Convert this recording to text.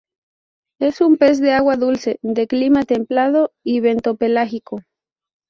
Es un pez de agua dulce, de clima templado y bentopelágico.